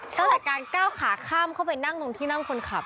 ตั้งแต่การก้าวขาข้ามเข้าไปนั่งตรงที่นั่งคนขับ